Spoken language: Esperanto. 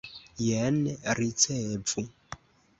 Jen, ricevu!